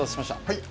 はい。